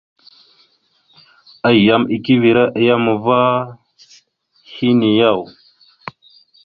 Ayyam eke evere a yam ava henne yaw ?